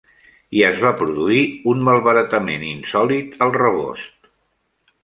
I es va produir un malbaratament insòlit al rebost.